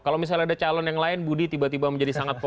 kalau misalnya ada calon yang lain budi tiba tiba menjadi sangat fokus